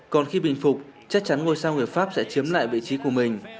còn khi bình phục chắc chắn ngôi sao người pháp sẽ chiếm lại vị trí của mình